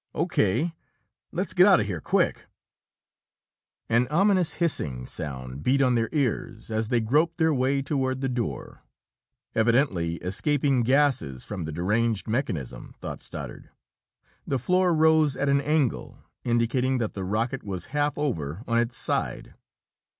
"O.K. Let's get out of here, quick!" An ominous hissing sound beat on their ears, as they groped their way toward the door. Evidently escaping gases from the deranged mechanism, thought Stoddard. The floor rose at an angle, indicating that the rocket was half over on its side.